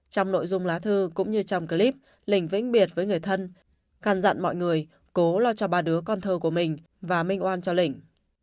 trong nội dung lá thư cũng như trong clip lình vĩnh biệt với người thân can dặn mọi người cố lo cho ba đứa con thơ của mình và minh oan cho lình